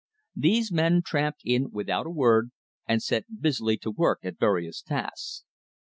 These men tramped in without a word, and set busily to work at various tasks.